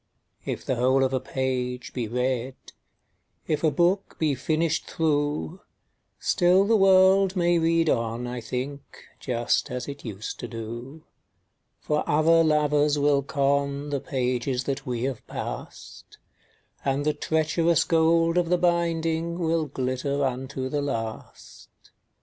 II. If the whole of a page be read, If a book be finished through, Still the world may read on, I think, Just as it used to do; For other lovers will con The pages that we have passed, And the treacherous gold of the binding Will glitter unto the last.